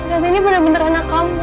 dan ini benar benar anak kamu